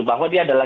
bahwa dia adalah